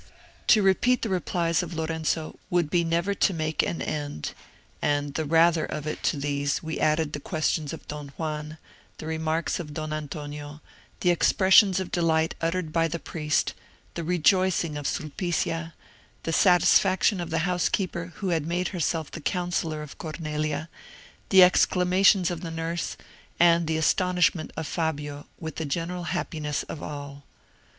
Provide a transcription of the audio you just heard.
To repeat the replies of Lorenzo would be never to make an end, and the rather if to these we added the questions of Don Juan, the remarks of Don Antonio, the expressions of delight uttered by the priest, the rejoicing of Sulpicia, the satisfaction of the housekeeper who had made herself the counsellor of Cornelia, the exclamations of the nurse, and the astonishment of Fabio, with the general happiness of all.